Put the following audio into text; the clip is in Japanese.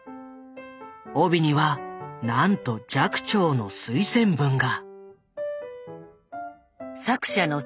帯にはなんと寂聴の推薦文が。